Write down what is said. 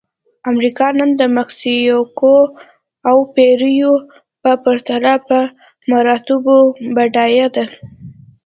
امریکا نن د مکسیکو او پیرو په پرتله په مراتبو بډایه ده.